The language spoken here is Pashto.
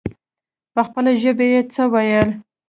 په خپله ژبه يې څه ويل.